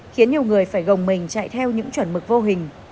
khiến nhiều người phải gồng mình chạy theo những chuẩn mực vô hình